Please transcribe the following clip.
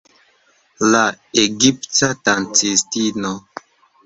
La egipta dancistino.